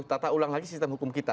tata ulang lagi sistem hukum kita